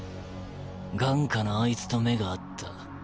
眼下のあいつと目が合った。